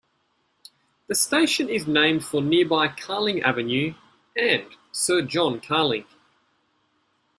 The station is named for nearby Carling Avenue and Sir John Carling.